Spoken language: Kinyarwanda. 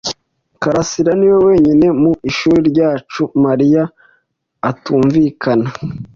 karasira niwe wenyine mu ishuri ryacu Mariya atumvikana.